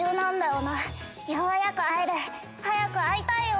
ようやく会える早く会いたいよ！」。